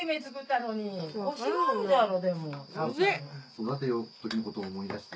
育てようっぷりのことを思い出して。